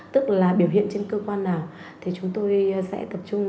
tức là biểu hiện trên cơ quan nào thì chúng tôi sẽ tập trung